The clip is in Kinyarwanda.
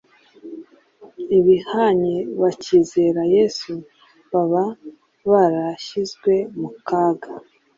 abihanye bakizera Yesu baba barashyizwe mu kaga.